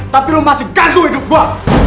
tapi lu masih gantung hidup gua